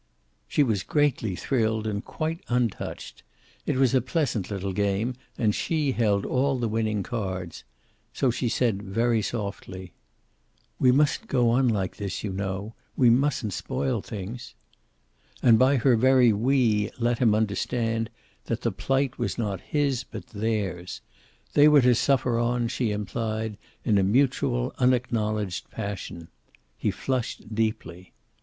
She was greatly thrilled and quite untouched. It was a pleasant little game, and she held all the winning cards. So she said, very softly: "We mustn't go on like this, you know. We mustn't spoil things." And by her very "we" let him understand that the plight was not his but theirs. They were to suffer on, she implied, in a mutual, unacknowledged passion. He flushed deeply.